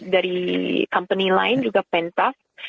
dari company lain juga pentas